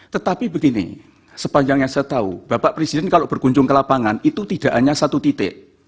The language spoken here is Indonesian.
tetapi begini sepanjang yang saya tahu bapak presiden kalau berkunjung ke lapangan itu tidak hanya satu titik